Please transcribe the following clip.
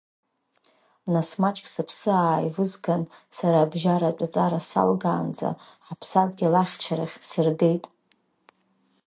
Нас маҷк сыԥсы ааивызган, сара абжьаратә ҵара салгаанӡа ҳаԥсадгьыл ахьчарахь сыргеит.